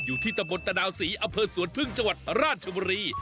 อยู่ที่ตะบนตะดาวศรีอำเภอสวนพึ่งจังหวัดราชบุรี